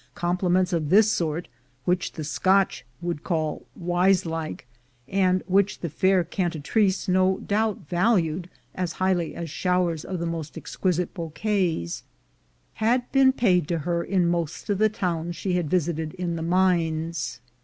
Compliments of this sort, which the Scotch would call "wiselike," ON THE WAY TO DOWNIEVILLE 213 and which the fair cantatrice no doubt valued as highly as showers of the most exquisite bouquets, had been paid to her in most of the towns she had visited in the mines.